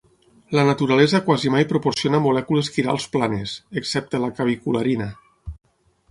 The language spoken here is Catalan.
La naturalesa quasi mai proporciona molècules quirals planes, excepte la cavicularina.